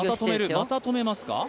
また止めます。